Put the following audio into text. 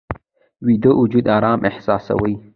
ویده وجود آرام احساسوي